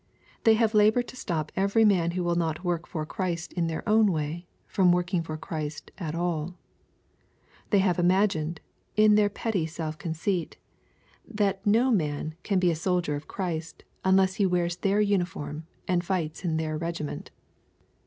They have labored to stop every man who will not work for Christ in their way, from working for Christ at alL They have imagined, in their petty self conceit, that uc i LUKE, CHAP. IX. 829 man can be a soldier of Christ, unless he \9ears their uniform, and fights in their regiment.